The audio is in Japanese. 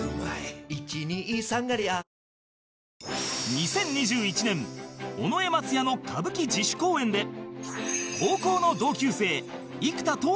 ２０２１年尾上松也の歌舞伎自主公演で高校の同級生